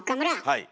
はい。